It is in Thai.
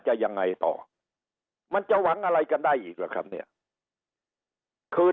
ยังไงต่อมันจะหวังอะไรกันได้อีกหรือครับเนี่ยคือ